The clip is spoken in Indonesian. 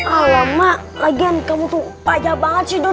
alamak lagian kamu tuh pahaya banget sih dot